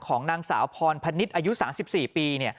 ของนางสาวพรพนิษฐ์อายุ๓๔ปี